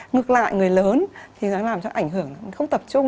ngược lại người lớn thì nó làm cho ảnh hưởng không tập trung